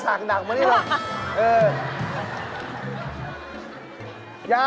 ส่างหนักไหมคะ